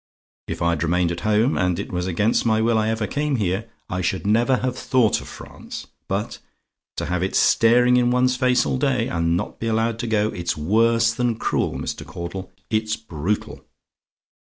If I'd remained at home and it was against my will I ever came here I should never have thought of France; but to have it staring in one's face all day, and not be allowed to go! it's worse than cruel, Mr. Caudle it's brutal.